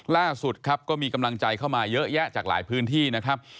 ล่าสุดครับก็มีกำลังใจเข้ามาเยอะแยะจากหลายพื้นที่นะครับ